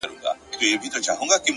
وخت د هیڅ چا لپاره نه درېږي.!